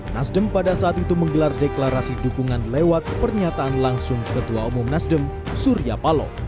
nasdem pada saat itu menggelar deklarasi dukungan lewat pernyataan langsung ketua umum nasdem surya paloh